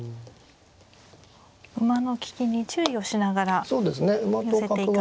馬の利きに注意をしながら寄せていかなければ。